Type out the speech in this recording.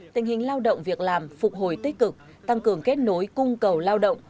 tình hình lao động việc làm phục hồi tích cực tăng cường kết nối cung cầu lao động